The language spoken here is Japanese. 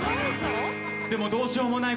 でもどうしようもない